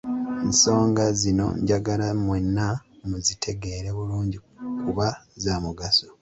nsonga zino njagala mwenna muzitegeere bulungi kuba za mugaso.